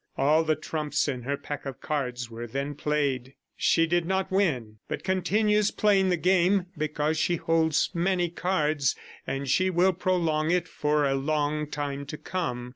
All the trumps in her pack of cards were then played. She did not win, but continues playing the game because she holds many cards, and she will prolong it for a long time to come.